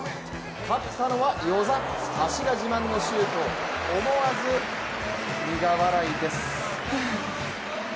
勝ったのは與座、足が自慢の周東、思わず苦笑いです。